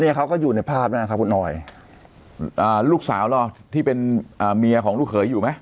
เขาก็อยู่ในภาพนะครับคุณออยอ่าลูกสาวเราที่เป็นอ่าเมียของลูกเขยอยู่ไหม